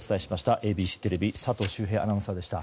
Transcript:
ＡＢＣテレビの佐藤修平アナウンサーでした。